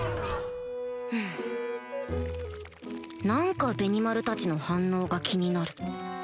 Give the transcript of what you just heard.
何かベニマルたちの反応が気になる